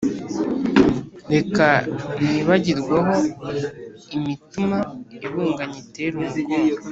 reka nibagirweho imitima ibunga nyitere umugongo